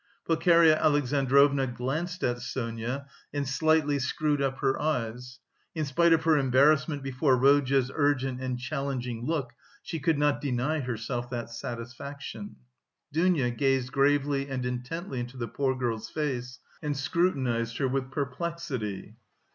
Pulcheria Alexandrovna glanced at Sonia, and slightly screwed up her eyes. In spite of her embarrassment before Rodya's urgent and challenging look, she could not deny herself that satisfaction. Dounia gazed gravely and intently into the poor girl's face, and scrutinised her with perplexity.